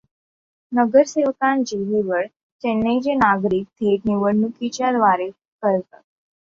नगरसेवकांची निवड चेन्नईचे नागरिक थेट निवडणुकीच्या द्वारे करतात.